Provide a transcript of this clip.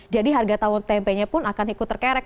jadi harga tahu tempenya pun akan ikut terkerek